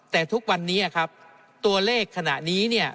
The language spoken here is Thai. แต่ทุกวันนี้ครับตัวเลขขณะนี้เนี่ย